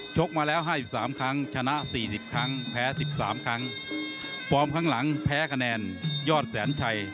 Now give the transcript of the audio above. ชกมาแล้ว๕๓ครั้งชนะ๔๐ครั้งแพ้๑๓ครั้งฟอร์มข้างหลังแพ้คะแนนยอดแสนชัย